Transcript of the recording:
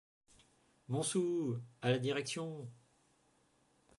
Montsou! à la Direction !...